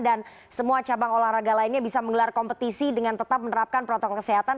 dan semua cabang olahraga lainnya bisa menggelar kompetisi dengan tetap menerapkan protokol kesehatan